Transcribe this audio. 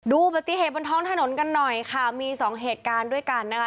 อุบัติเหตุบนท้องถนนกันหน่อยค่ะมีสองเหตุการณ์ด้วยกันนะคะ